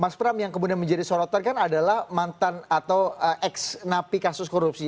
mas pram yang kemudian menjadi sorotan kan adalah mantan atau ex napi kasus korupsi